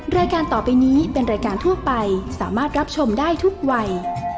รายการต่อไปนี้เป็นรายการทั่วไปสามารถรับชมได้ทุกวัย